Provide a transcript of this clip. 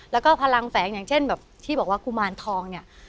แล้วก็พลังแฝงอย่างเช่นแบบที่บอกว่ากุมารทองเนี่ย